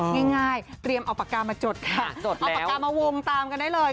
ง่ายเตรียมเอาปากกามาจดค่ะจดเอาปากกามาวงตามกันได้เลย